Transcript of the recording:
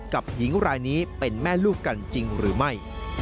หญิงรายนี้เป็นแม่ลูกกันจริงหรือไม่